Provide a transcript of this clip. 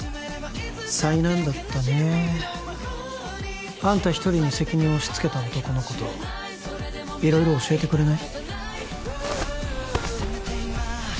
災難だったねあんた一人に責任を押しつけた男のこと色々教えてくれない？